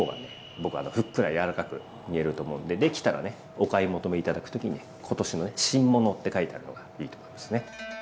僕はふっくら柔らかく煮えると思うんでできたらねお買い求め頂く時にね今年のね新物って書いてあるのがいいと思いますね。